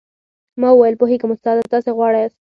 ما وويل پوهېږم استاده تاسې غواړاست.